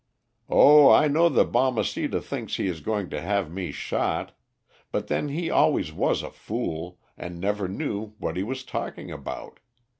"Oh, I know that Balmeceda thinks he is going to have me shot; but then he always was a fool, and never knew what he was talking about.